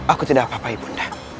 aku tidak apa apa ibu undang